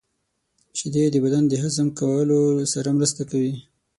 • شیدې د بدن د هضم کولو سره مرسته کوي.